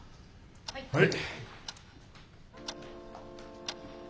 はい。